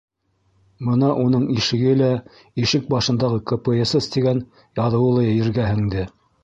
Бына уның ишеге лә, ишек башындағы «КПСС» тигән яҙыуы ла ергә һеңде.